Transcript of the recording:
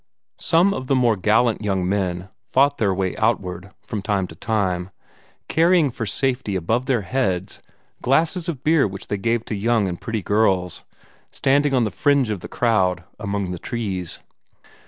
Some of the more gallant young men fought their way outward, from time to time, carrying for safety above their heads glasses of beer which they gave to young and pretty girls standing on the fringe of the crowd, among the trees.